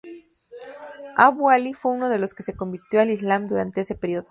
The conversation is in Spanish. Abu Ali fue uno de los que se convirtió al Islam durante ese período.